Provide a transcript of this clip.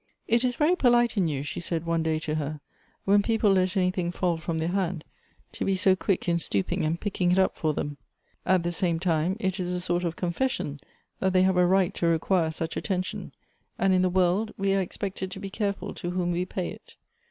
" It is very polite in you," she said one day to her, " when people let anything fall from their hand, to be so quick in stooping and picking it up for them ; at the same time, it is a sort of confession that they have a right to require such attention, and in the world we are expected to be careful to whom we pay it.